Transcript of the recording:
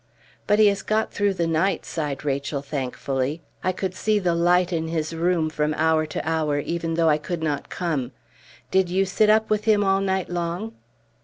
"But he has got through the night," sighed Rachel, thankfully. "I could see the light in his room from hour to hour, even though I could not come. Did you sit up with him all night long?"